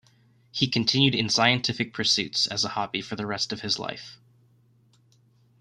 He continued in scientific pursuits as a hobby for the rest of his life.